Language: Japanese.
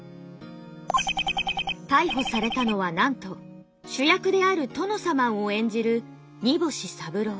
逮捕されたのはなんと主役であるトノサマンを演じる荷星三郎。